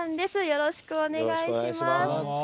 よろしくお願いします。